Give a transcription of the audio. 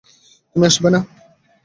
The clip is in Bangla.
তুমি আসবে না?